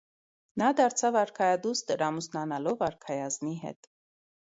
Նա դարձավ արքայադուստր ամուսնանալով արքայազնի հետ։